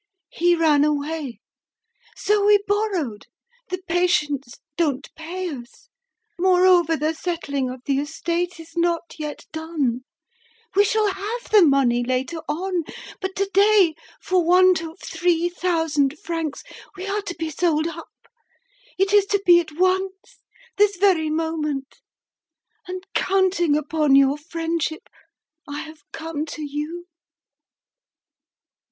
He ran away. So we borrowed; the patients don't pay us. Moreover, the settling of the estate is not yet done; we shall have the money later on. But to day, for want of three thousand francs, we are to be sold up. It is to be at once, this very moment, and, counting upon your friendship, I have come to you."